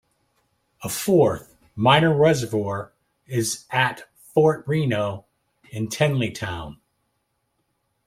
A fourth, minor reservoir is at Fort Reno in Tenleytown.